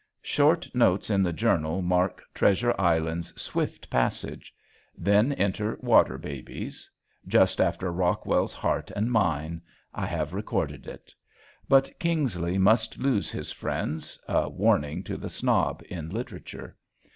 Short notes in the journal mark "Treasure Island's" swift passage. Then enter "Water Babies!" "Just after Rockwell's heart and mine," I have recorded it. But Kingsley must lose his friends, a warning to the snob in literature.